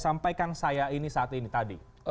sampaikan saya ini saat ini tadi